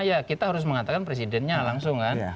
ya kita harus mengatakan presidennya langsung kan